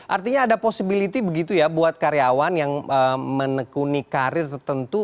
artinya ada possibility begitu ya buat karyawan yang menekuni karir tertentu